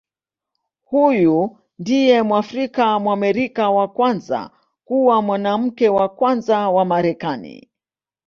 Huyu ndiye Mwafrika-Mwamerika wa kwanza kuwa Mwanamke wa Kwanza wa Marekani.